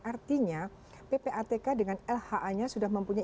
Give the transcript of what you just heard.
artinya ppatk dengan lha nya sudah mempunyai